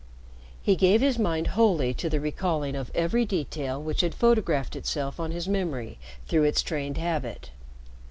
He gave his mind wholly to the recalling of every detail which had photographed itself on his memory through its trained habit.